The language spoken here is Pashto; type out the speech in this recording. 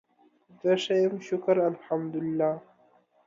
زه ښه یم شکر الحمدالله